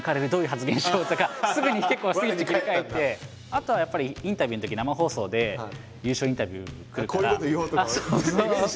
あとはやっぱりインタビューのとき生放送で優勝インタビューが来るから。